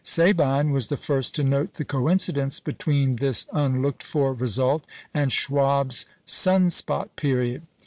Sabine was the first to note the coincidence between this unlooked for result and Schwabe's sun spot period.